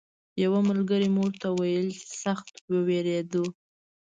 یوه ملګري مو ورته ویل چې سخت ووېرېدو.